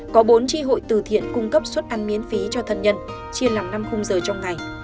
có bốn tri hội từ thiện cung cấp suất ăn miễn phí cho thân nhân chia làm năm khung giờ trong ngày